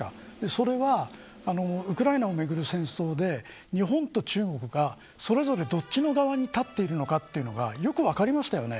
それはウクライナをめぐる戦争で日本と中国が、それぞれどっちの側に立っているのかがよく分かりましたよね。